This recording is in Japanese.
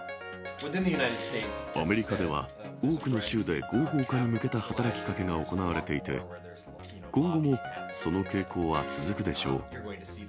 アメリカでは、多くの州で合法化に向けた働きかけが行われていて、今後もその傾向は続くでしょう。